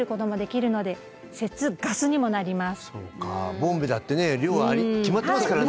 ボンベだってね量が決まってますからね。